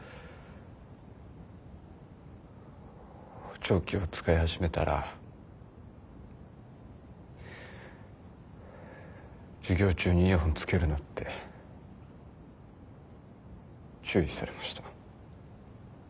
補聴器を使い始めたら授業中にイヤホンつけるなって注意されました。